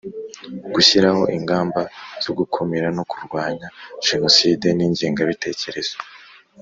Gushyiraho ingamba zo gukumira no kurwanya Jenoside n ingengabitekerezo